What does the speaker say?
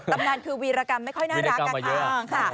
ตำนานคือวีรกรรมไม่ค่อยน่ารักอะค่ะ